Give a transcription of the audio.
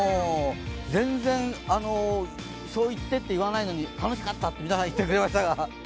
全然、そう言ってって言わないのに楽しかったって、みんな言ってくれました。